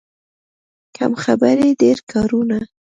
کم خبرې، ډېر کارونه.